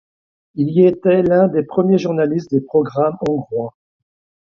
Il y était l'un des premiers journalistes des programmes hongrois.